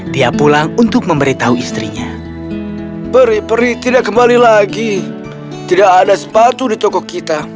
dia pulang untuk memberitahu istrinya peri peri tidak kembali lagi tidak ada sepatu di toko kita